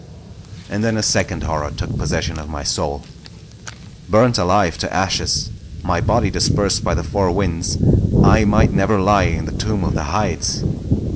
And then a second horror took possession of my soul. Burnt alive to ashes, my body dispersed by the four winds, I might never lie in the tomb of the Hydes!